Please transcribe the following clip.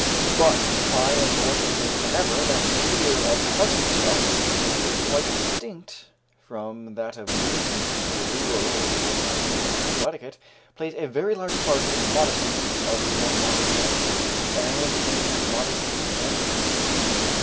But I am more convinced than ever that the fear of causing disgust a fear quite distinct from that of losing a sexual lure or breaking a rule of social etiquette plays a very large part in the modesty of the more modest sex, and in modesty generally.